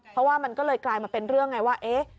เพราะว่ามันก็เลยกลายมาเป็นเรื่องไงว่าเอ๊ะ